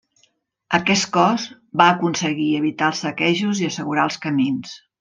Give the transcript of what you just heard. Aquest cos va aconseguir evitar els saquejos i assegurar els camins.